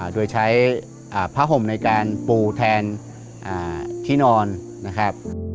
โดยใช้ผ้าห่มในการปูแทนที่นอนนะครับ